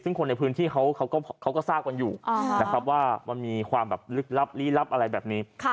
ซึ่งคนในพื้นที่เขาก็ทราบว่ามีความลิลับอะไรแบบนี้